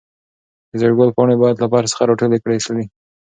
د زېړ ګل پاڼې باید له فرش څخه راټولې کړل شي.